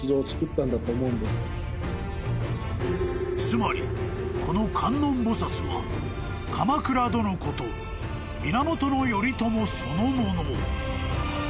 ［つまりこの観音菩薩は鎌倉殿こと源頼朝そのもの］